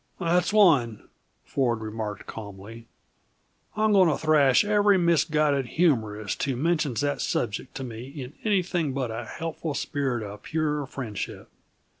"That's one," Ford remarked calmly. "I'm going to thrash every misguided humorist who mentions that subject to me in anything but a helpful spirit of pure friendship.